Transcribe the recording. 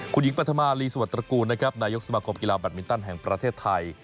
คุณหญิงปัธมารีสวัสตระกูลนะครับนายกสมาคมกีฬาแบตมินตันแห่งประเทศไทย